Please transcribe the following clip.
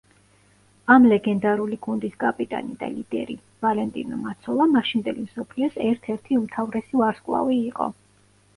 ამ ლეგენდარული გუნდის კაპიტანი და ლიდერი ვალენტინო მაცოლა მაშინდელი მსოფლიოს ერთ-ერთი უმთავრესი ვარსკვლავი იყო.